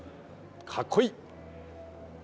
かっこいい！